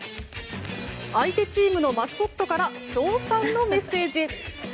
相手チームのマスコットから称賛のメッセージ。